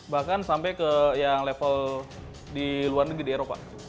bahkan sampai ke yang level di luar negeri di eropa